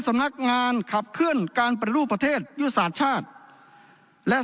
สำนักงานขับเคลื่อนการปฏิรูปประเทศยุทธศาสตร์ชาติและ